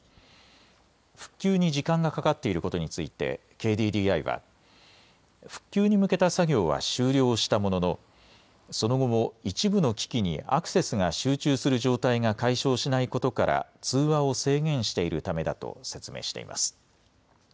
復旧に時間がかかっていることについてＫＤＤＩは復旧に向けた作業は終了したもののその後も一部の機器にアクセスが集中する状態が解消しないことから通話を制限しているためだと説明しています。